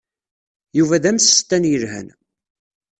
Yuba d amsestan yelhan.